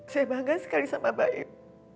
saya bangga sekali sama mbak em